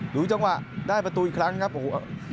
หรือว่าได้ประตูอีกครั้งครับโอ้โห